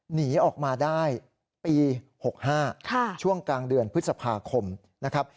หนีออกมาได้ปี๖๕ช่วงกลางเดือนพฤษภาคมนะครับ